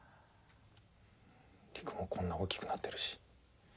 璃久もこんな大きくなってるし。